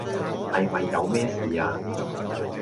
係咪有咩事呀